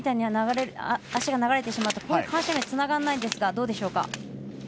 足が流れてしまうと緩斜面につながらないんですがどうでしょうか。